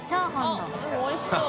あっでもおいしそう。